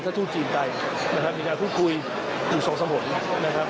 ทัศน์ทูจีนไปนะครับมีการคุยอยู่สองสมมุตินะครับ